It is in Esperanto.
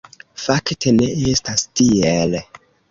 Fakte ne estas tiel.